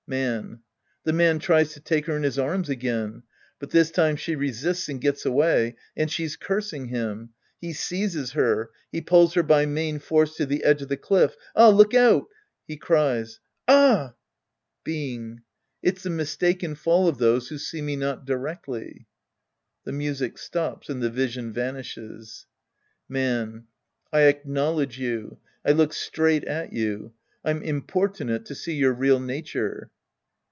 Man. The man tries to take her in his arms again. But this time she resists and gets away. And she's cursing him. He seizes her. He pulls her by main force to the edge of the cliff. Ah, look out !• {He cries.) Ah ! Being. It's the mistaken fall of those who see me not directly. {The music stops and the vision vatiishes.) Man. I acknowledge you. I look straight at you. I'm importunate^ to see your real nature.